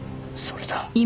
それだ！